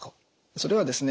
それはですね